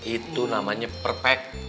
itu namanya perpek